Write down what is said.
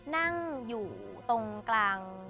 นั่งอยู่ตรงกลาง